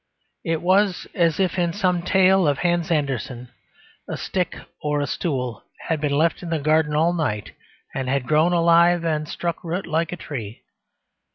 It was as if, in some tale of Hans Andersen, a stick or a stool had been left in the garden all night and had grown alive and struck root like a tree.